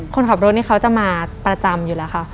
คนขับรถนี่เขาจะมาประจำอยู่แล้วค่ะ